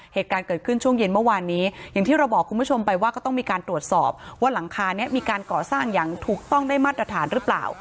เหตุการณ์เกิดขึ้นช่วงเย็นเมื่อวานนี้อย่างที่เราบอกคุณผู้ชมไปว่าก็ต้องมีการตรวจสอบว่าหลังคานี้มีการก่อสร้างอย่างถูกต้องได้มาตรฐานหรือเปล่า